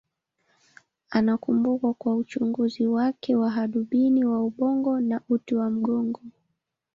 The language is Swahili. Anakumbukwa kwa uchunguzi wake wa hadubini wa ubongo na uti wa mgongo.